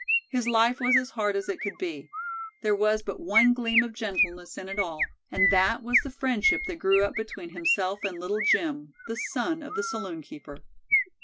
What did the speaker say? His life was as hard as it could be. There was but one gleam of gentleness in it all, and that was the friendship that grew up between himself and Little Jim, the son of the saloonkeeper.